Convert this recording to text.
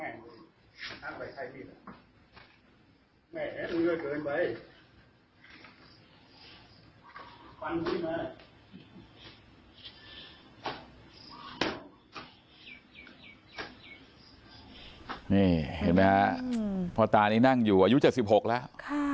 เห็นไหมฮะพ่อตานี่นั่งอยู่อายุเจ็บสิบหกแล้วค่ะ